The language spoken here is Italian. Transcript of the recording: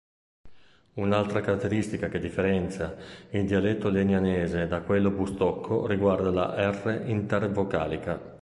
Un'altra caratteristica che differenza il dialetto legnanese da quello bustocco riguarda la "-r" intervocalica.